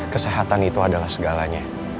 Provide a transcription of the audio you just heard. kesehatan itu adalah segalanya